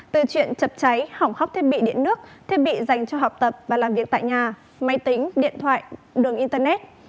từ chuyện chập cháy hỏng hóc thiết bị điện nước thiết bị dành cho học tập và làm việc tại nhà máy tính điện thoại đường internet